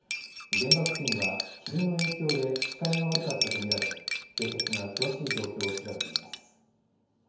現場付近は霧の影響で視界が悪かったと見られ警察が詳しい状況を調べています。